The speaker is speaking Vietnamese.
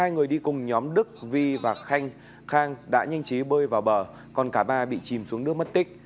hai người đi cùng nhóm đức vi và khang đã nhanh chí bơi vào bờ còn cả ba bị chìm xuống nước mất tích